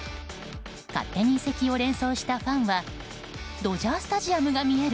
勝手に移籍を連想したファンはドジャースタジアムが見える！